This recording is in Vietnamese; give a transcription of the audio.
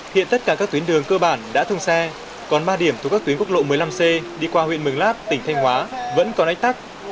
hiện tất cả các tuyến đường cơ bản đã thông xe còn ba điểm thuộc các tuyến quốc lộ một mươi năm c đi qua huyện mường lát tỉnh thanh hóa vẫn còn ách tắc